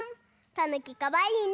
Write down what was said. たぬきかわいいね。